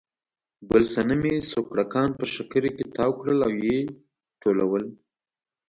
ګل صنمې سوکړکان په شکري کې تاو کړل او یې ټولول.